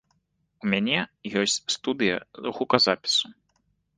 У мяне ёсць студыя гуказапісу.